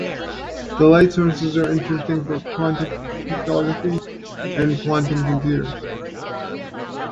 These light sources are interesting for Quantum cryptography and Quantum computers.